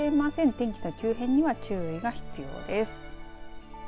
天気の急変には注意が必要です。